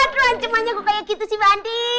terancamannya gue kayak gitu sih mbak andi